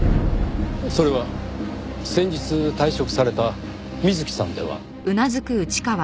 それは先日退職された水木さんでは？